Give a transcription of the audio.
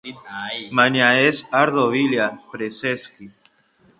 Baina ez ardo bila, preseski.